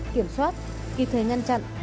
kiểm soát kịp thời ngăn chặn